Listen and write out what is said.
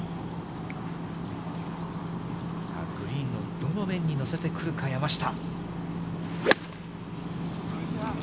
グリーンのどの面に乗せてくるか、山下。